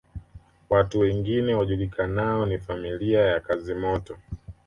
Watu wengine wajulikanao ni familia ya Kazimoto